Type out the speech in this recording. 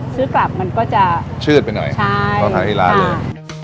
ซื้อกลับมันก็จะชืดไปหน่อยใช่ทำให้ที่ร้านเลย